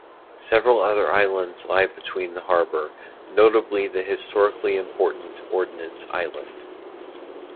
Several other islands lie within the harbour, notably the historically important Ordnance Island.